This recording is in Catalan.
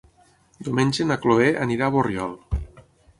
Diumenge na Cloè anirà a Borriol.